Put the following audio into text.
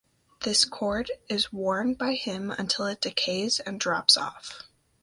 This cord is worn by him until it decays and drops off.